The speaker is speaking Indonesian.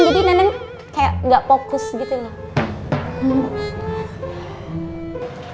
jadi neneng kayak nggak fokus gitu loh